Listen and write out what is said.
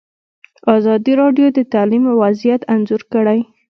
ازادي راډیو د تعلیم وضعیت انځور کړی.